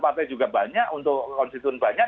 partai juga banyak untuk konstituen banyak